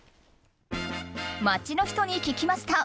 街の人に聞きました。